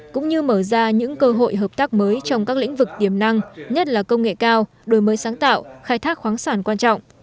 cũng như mở ra những cơ hội hợp tác mới trong các lĩnh vực tiềm năng nhất là công nghệ cao đổi mới sáng tạo khai thác khoáng sản quan trọng